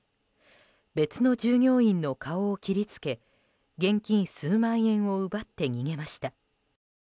別の従業員の顔を切りつけ現金数万円を奪って逃げました。